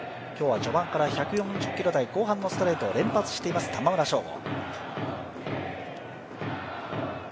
今日は序盤から１４０キロ台後半のストレートを連発しています玉村昇悟。